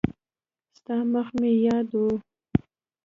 ستا مخ مې یاد و.